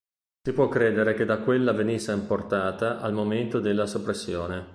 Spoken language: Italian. Si può credere che da quella venisse importata al momento della soppressione.